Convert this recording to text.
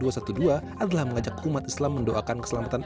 adalah mengajak umat islam mendoakan keselamatan